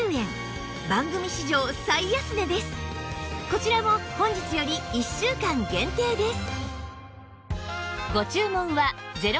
こちらも本日より１週間限定です